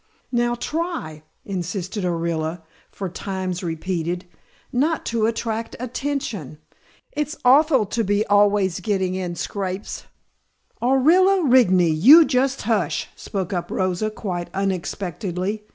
"Now try," insisted Orilla for times repeated, "not to attract attention. It's awful to be always getting in scrapes " "Orilla Rigney! You just hush!" spoke up Rosa quite unexpectedly.